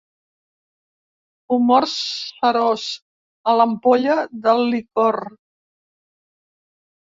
Humor serós a l'ampolla del licor.